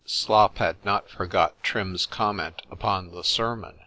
—Slop had not forgot Trim's comment upon the sermon.